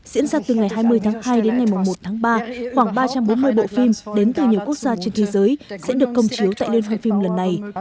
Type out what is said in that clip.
diễn ra từ ngày hai mươi tháng hai đến ngày một tháng ba khoảng ba trăm bốn mươi bộ phim đến từ nhiều quốc gia trên thế giới sẽ được công chiếu tại liên hoàn phim lần này